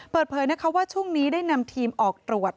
เปิดเผยนะคะว่าช่วงนี้ได้นำทีมออกตรวจ